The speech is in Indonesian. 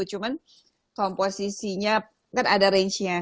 cuma komposisinya kan ada range nya